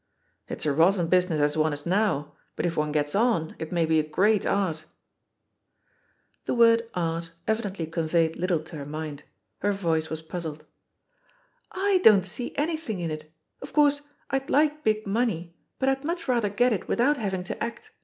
''It's a rotten business as one is now, but if one gets on, it may be a great art." The word "art" evidently conveyed little to her mind: her voice was puzzled. ^'I don't see 40 THE POSITION OF PEGGY HARPER anything in it. Of course, I'd like big money, but I*d much rather get it without having to act.